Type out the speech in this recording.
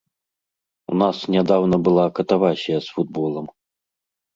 У нас нядаўна была катавасія з футболам.